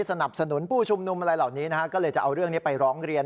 สนับสนุนผู้ชุมนุมอะไรเหล่านี้นะฮะก็เลยจะเอาเรื่องนี้ไปร้องเรียน